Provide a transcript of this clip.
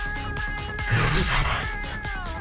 許さない。